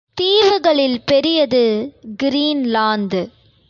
தீவுகளில் பெரியது கிரீன்லாந்து.